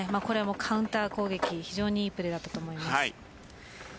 カウンター攻撃、非常にいいプレーだったと思います。